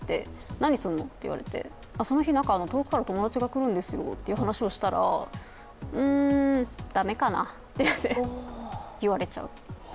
何すんの？って言われて、その日遠くから友達が来るんですよという話をしたら、うん、駄目かなと言われちゃう。